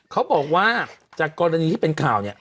เขาบอกว่าจากกรณีที่เป็นข่าวเนี่ย